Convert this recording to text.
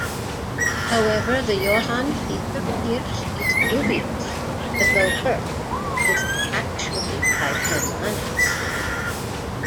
However the Johann Peter Kirsch is dubious that the work is actually by Germanus.